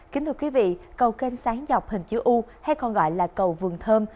kính thưa quý vị cầu kênh sáng dọc hình chữ u hay còn gọi là cầu vườn thơm